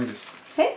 えっ？